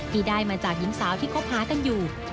ที่ได้มาจากหญิงสาวที่คบหากันอยู่